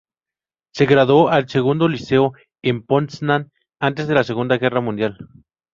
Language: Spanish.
Se graduó del Segundo Liceo en Poznań antes de la Segunda Guerra Mundial.